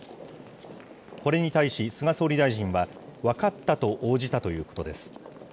これに対し菅総理大臣は、分かったと応じたということです。